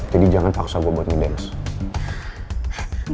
jadi jangan paksa gue buat ngedance